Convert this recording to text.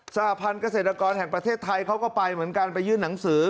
หพันธ์เกษตรกรแห่งประเทศไทยเขาก็ไปเหมือนกันไปยื่นหนังสือ